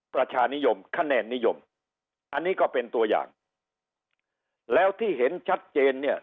ประชานิยมคะแนนนิยมอันนี้ก็เป็นตัวอย่างแล้วที่เห็นชัดเจนเนี่ย